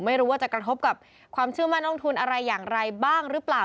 ไม่รู้ว่าจะกระทบกับความเชื่อมั่นทุนอะไรอย่างไรบ้างหรือเปล่า